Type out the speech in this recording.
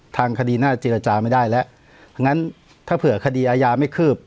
ทางคดีน่าเจรจาไม่ได้แล้วงั้นถ้าเผื่อคดีอาญาไม่คืบ